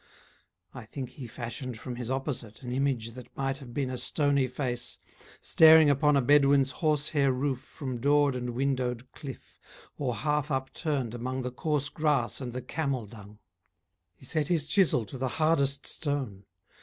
I think he fashioned from his opposite An image that might have been a stony face, Staring upon a bedouin's horse hair roof From doored and windowed cliff, or half upturned Among the coarse grass and the camel dung. He set his chisel to the hardest stone.